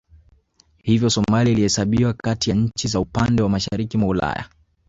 Hivyo Somalia ilihesabiwa kati ya nchi za upande wa mashariki mwa Ulaya